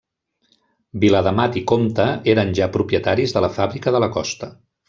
Viladamat i Comte eren ja propietaris de la fàbrica de la Costa.